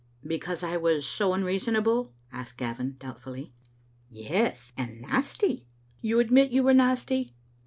"Because I was so unreasonable?" asked Gavin, doubtfully. " Yes, and nasty. You admit you were nasty?"